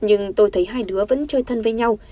nhưng tôi thấy hai đứa vẫn chơi thân với nhau